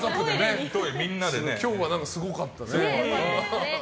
今日はすごかったですね。